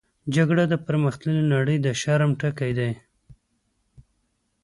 جګړه د پرمختللې نړۍ د شرم ټکی دی